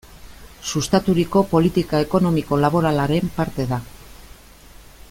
Sustaturiko politika ekonomiko-laboralaren parte da.